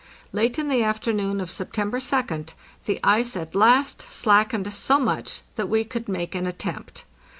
Late in the afternoon of September 2d the ice at last slackened so much that we could make an attempt.